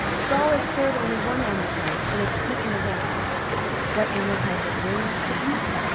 Saul had spared only one Amalekite, and had smitten the rest. What Amalekite had William smitten?